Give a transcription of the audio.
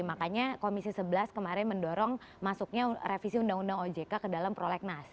makanya komisi sebelas kemarin mendorong masuknya revisi undang undang ojk ke dalam prolegnas